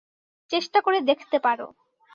চেষ্টা করে দেখতে পারো।